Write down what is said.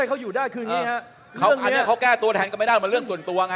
อันนี้เขาแก้ตัวแทนก็ไม่ได้มันเรื่องส่วนตัวไง